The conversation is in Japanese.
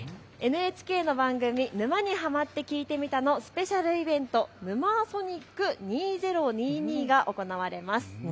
ＮＨＫの番組、沼にハマってきいてみたのスペシャルイベント、ヌマ−ソニック２０２２が行われます。